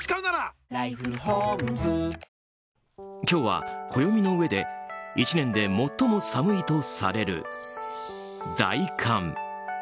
今日は暦の上で１年で最も寒いとされる大寒。